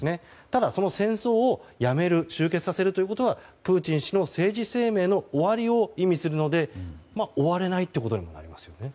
ただ、その戦争をやめる終結させるということはプーチン氏の政治生命の終わりを意味するので終われないということにもなります。